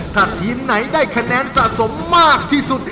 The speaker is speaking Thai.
ถ้าทีมไหนได้คะแนนสะสมมากที่สุด